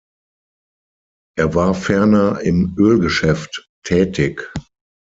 Er war ferner im Ölgeschäft tätig.